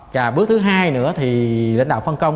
và bước thứ hai nữa thì lãnh đạo phân công